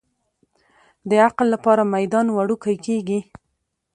د عقل لپاره میدان وړوکی کېږي.